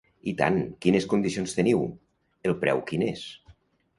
I tant, quines condicions teniu, el preu quin és?